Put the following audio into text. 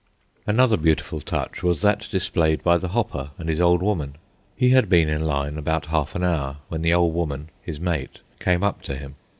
Another beautiful touch was that displayed by the "Hopper" and his "ole woman." He had been in line about half an hour when the "ole woman" (his mate) came up to him.